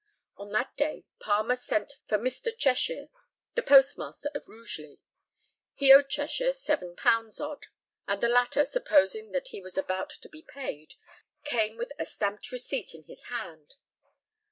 On that day Palmer sent for Mr. Cheshire, the postmaster of Rugeley. He owed Cheshire £7 odd, and the latter, supposing that he was about to be paid, came with a stamped receipt in his hand.